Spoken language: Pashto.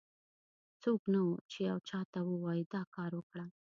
څوک نه و، چې یو چا ته ووایي دا کار وکړه.